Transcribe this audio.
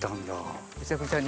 ぐちゃぐちゃに。